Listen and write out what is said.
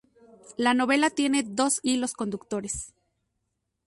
La novela tiene dos hilos conductores.